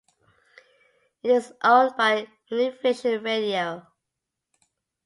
It is owned by Univision Radio.